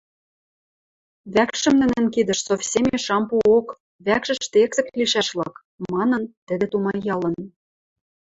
«Вӓкшӹм нӹнӹн кидӹш совсемеш ам пуок, вӓкшӹштӹ эксӹк лишӓшлык» манын, тӹдӹ тумаялын.